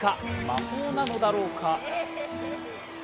魔法なのだろうか？